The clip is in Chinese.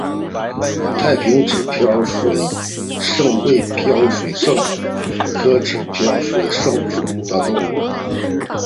太平指镖水蚤为镖水蚤科指镖水蚤属的动物。